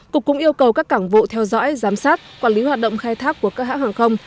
cục cũng yêu cầu các cảng vụ theo dõi giám sát quản lý hoạt động khai thác của các hãng hàng không